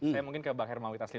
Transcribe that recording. saya mungkin ke bang hermami taslim